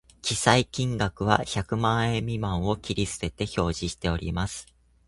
記載金額は百万円未満を切り捨てて表示しております